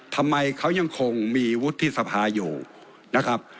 ทำไมเขายังคงมีวุฒิสภาอยู่นะครับ